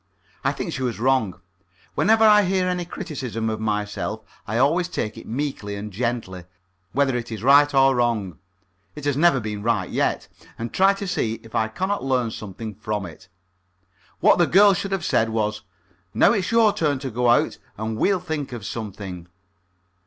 I think she was wrong. Whenever I hear any criticism of myself I always take it meekly and gently, whether it is right or wrong it has never been right yet and try to see if I cannot learn something from it. What the girl should have said was: "Now it's your turn to go out, and we'll think of something."